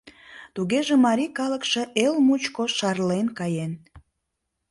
Тугеже марий калыкше эл мучко шарлен каен.